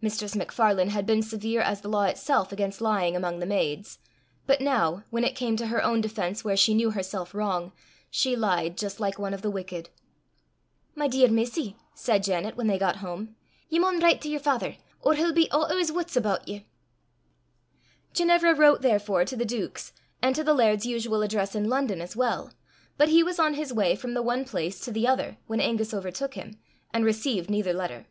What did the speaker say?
Mistress MacFarlane had been severe as the law itself against lying among the maids, but now, when it came to her own defence where she knew her self wrong, she lied just like one of the wicked. "My dear missie," said Janet, when they got home, "ye maun write to yer father, or he'll be oot o' 's wuts aboot ye." Ginevra wrote therefore to the duke's, and to the laird's usual address in London as well; but he was on his way from the one place to the other when Angus overtook him, and received neither letter.